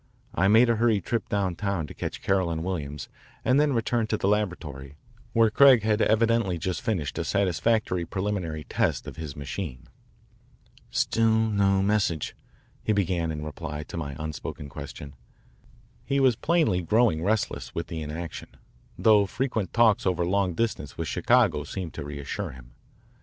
I made a hurried trip downtown to catch Carroll and Williams and then returned to the laboratory, where Craig had evidently just finished a satisfactory preliminary test of his machine. "Still no message," he began in reply to my unspoken question. He was plainly growing restless with the inaction, though frequent talks over long distance with Chicago seemed to reassure him.